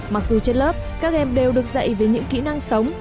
mặc dù trên lớp các em đều được dạy về những kỹ năng sống